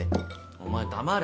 お前黙れ。